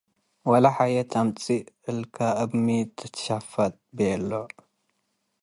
ወለሐየት፤ “አመጽ'እ እልከ፡ እብ ሚ ትትሸፈ'ጥ?” ቤሎ'።